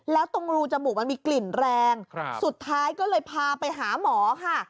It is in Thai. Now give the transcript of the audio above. แล้วตรงรูจมูกมันมีกลิ่นแรงสุดท้ายก็เลยพาไปหาหมอค่ะ